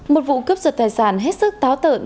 một vụ cướp giật tài sản hết sức táo tợn